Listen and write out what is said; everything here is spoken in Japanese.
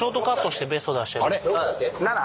あれ？